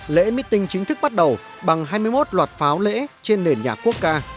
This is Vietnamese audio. lễ meeting chính thức bắt đầu bằng hai mươi một loạt pháo lễ trên nền nhà quốc ca